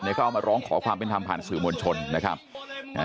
เขาเอามาร้องขอความเป็นธรรมผ่านสื่อมวลชนนะครับอ่า